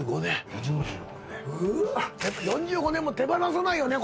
やっぱ４５年も手放さないよね